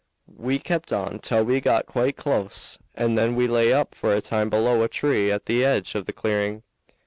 We kept on till we got quite close, and then we lay up for a time below a tree at the edge of the clearing.